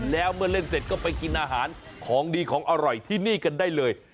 แล้วเมื่อเล่นเสร็จก็ไปกินอาหารของดีของอร่อยที่นี่กันได้เลย